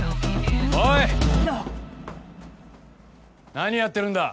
何やってるんだ。